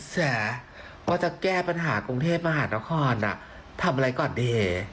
แสว่าจะแก้ปัญหากรุงเทพมหานครทำอะไรก่อนดี